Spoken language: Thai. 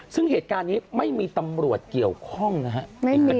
ซึ่งเหตุการณ์นี้ไม่มีตำรวจเกี่ยวข้องนะครับ